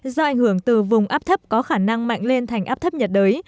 do ảnh hưởng từ vùng áp thấp có khả năng mạnh lên thành áp thấp nhiệt đới